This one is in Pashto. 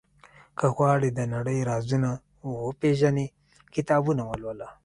• که غواړې د نړۍ رازونه وپېژنې، کتابونه ولوله.